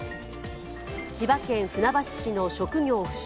千葉県船橋市の職業不詳